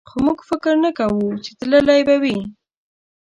خو موږ فکر نه کوو چې تللی به وي.